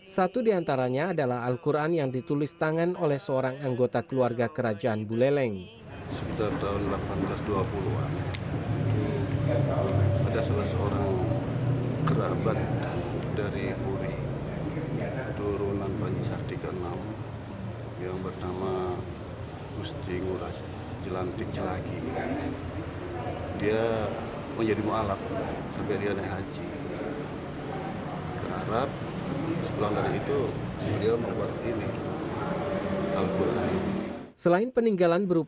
satu di antaranya adalah al quran yang ditulis tangan oleh seorang anggota keluarga kerajaan buleleng